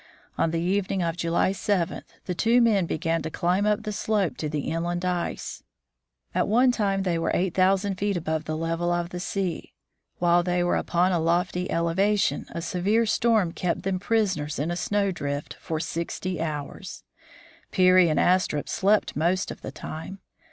On the evening of July 7 the two men began the climb up the slope to the inland ice. At one time they were eight thousand feet above the level of the sea. While they were upon a lofty elevation, a severe storm kept them prisoners in a snowdrift for sixty hours. Peary and Astrup slept most of the time.